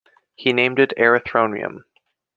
He named it erythronium.